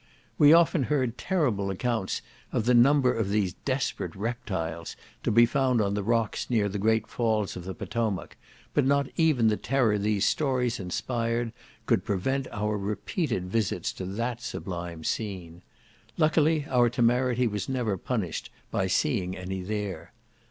We often heard terrible accounts of the number of these desperate reptiles to be found on the rocks near the great falls of the Potomac; but not even the terror these stories inspired could prevent our repeated visits to that sublime scene; Luckily our temerity was never punished by seeing any there.